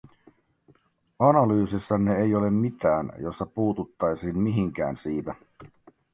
Analyysissanne ei ole mitään, jossa puututtaisiin mihinkään siitä.